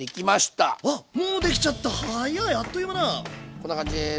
こんな感じです。